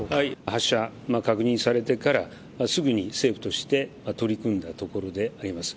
発射が確認されてから、すぐに政府として取り組んだところであります。